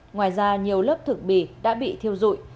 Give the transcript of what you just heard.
ngoài ra nhiều lớp thực bì đã bị thiêu dụi